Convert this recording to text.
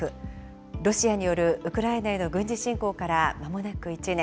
ロシアによるウクライナへの軍事侵攻からまもなく１年。